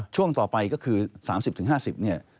ช่วงต่อไปก็คือ๓๐๕๐เนี่ย